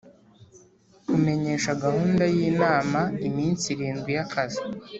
Kumenyesha gahunda y’inama iminsi irindwi y’akazi